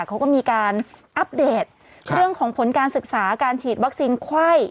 เขาก็มีการอัปเดตเรื่องของผลการศึกษาการฉีดวัคซีนไข้